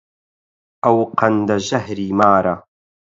ئەو قەندە ژەهری مارە